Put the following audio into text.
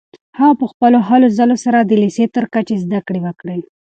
هغه په خپلو هلو ځلو سره د لیسې تر کچې زده کړې وکړې.